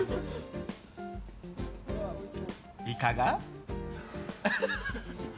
いかが？